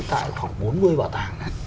tại khoảng bốn mươi bảo tàng